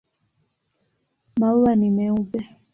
Maua ni meupe.